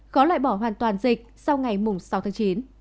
khó loại bỏ hoàn toàn dịch sau ngày sáu tháng chín